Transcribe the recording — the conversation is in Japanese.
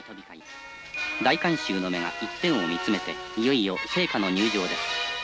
大観衆の目が一点を見つめて、いよいよ聖火の入場です。